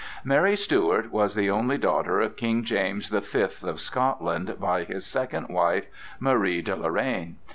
Mary Stuart was the only daughter of King James the Fifth of Scotland by his second wife, Marie de Lorraine.